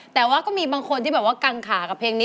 แต่ว่าก็มีบางคนที่แบบว่ากังขากับเพลงนี้